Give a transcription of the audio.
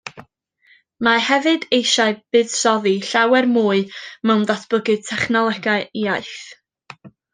Mae hefyd eisiau buddsoddi llawer mwy mewn datblygu technolegau iaith.